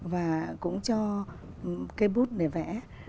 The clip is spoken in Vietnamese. và cũng cho cây bút để vẽ